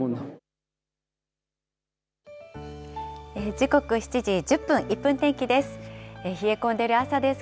時刻７時１０分、１分天気です。